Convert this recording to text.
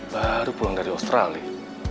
baru pulang dari australia